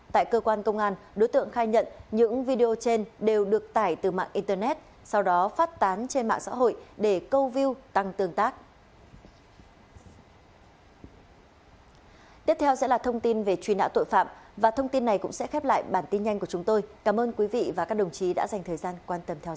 tại cơ quan công an đối tượng khai nhận những video trên đều được tải từ mạng internet sau đó phát tán trên mạng xã hội để câu view tăng tương tác